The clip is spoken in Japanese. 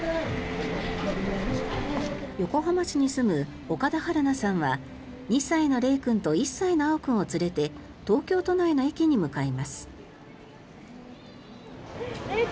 横浜市に住む岡田遥菜さんは２歳の怜君と１歳の碧君を連れて東京都内の駅に向かいます。